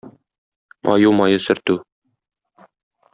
Аю мае сөртү.